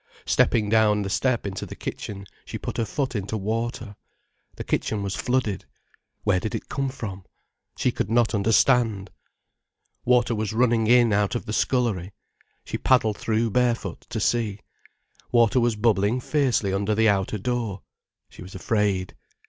Stepping down the step into the kitchen, she put her foot into water. The kitchen was flooded. Where did it come from? She could not understand. Water was running in out of the scullery. She paddled through barefoot, to see. Water was bubbling fiercely under the outer door. She was afraid.